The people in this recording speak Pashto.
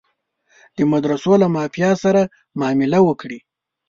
د مدرسو له مافیا سره معامله وکړي.